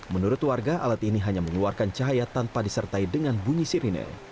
menurut warga alat ini hanya mengeluarkan cahaya tanpa disertai dengan bunyi sirine